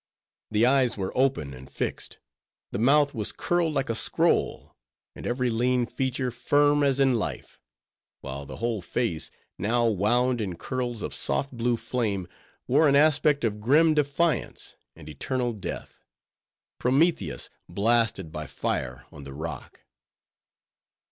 The eyes were open and fixed; the mouth was curled like a scroll, and every lean feature firm as in life; while the whole face, now wound in curls of soft blue flame, wore an aspect of grim defiance, and eternal death. Prometheus, blasted by fire on the rock.